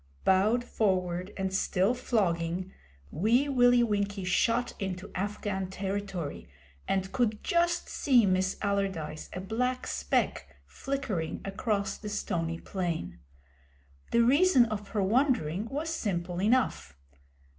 Bowed forward and still flogging, Wee Willie Winkie shot into Afghan territory, and could just see Miss Allardyce a black speck, flickering across the stony plain. The reason of her wandering was simple enough.